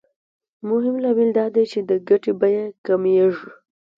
مهم لامل دا دی چې د ګټې بیه کمېږي